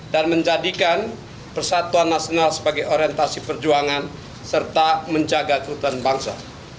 dan menjadikan persatuan nasional sebagai orientasi perjuangan serta menjaga keutuhan bangsa